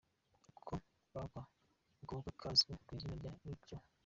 Ako kabwa kazwi ku izina rya Lacy Loo.